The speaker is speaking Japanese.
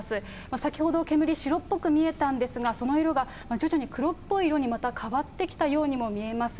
先ほど煙、白っぽく見えていたんですが、その色は、徐々に黒っぽい色にまた変わってきたようにも見えます。